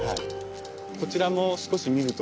こちらも少し見ると。